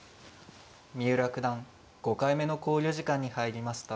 三浦九段５回目の考慮時間に入りました。